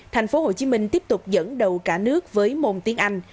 tp hcm tiếp tục dẫn đầu cả nước với môn tiếng anh